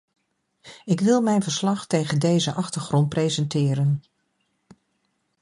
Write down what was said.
Ik wil mijn verslag tegen deze achtergrond presenteren.